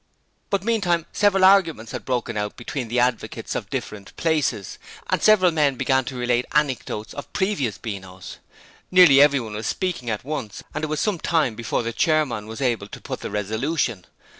But meantime, several arguments had broken out between the advocates of different places, and several men began to relate anecdotes of previous Beanos. Nearly everyone was speaking at once and it was some time before the chairman was able to put the resolution.